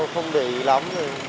không để ý lắm